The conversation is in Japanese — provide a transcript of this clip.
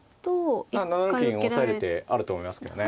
ああ７六銀押さえる手あると思いますけどね